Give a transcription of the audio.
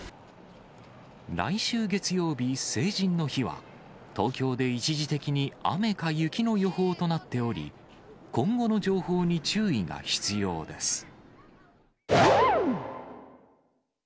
来週月曜日、成人の日は、東京で一時的に雨か雪の予報となっており、今後の情報に注意が必要です。